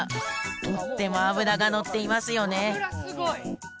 とっても脂が乗っていますよね